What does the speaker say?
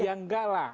ya enggak lah